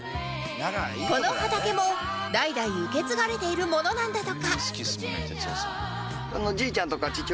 この畑も代々受け継がれているものなんだとか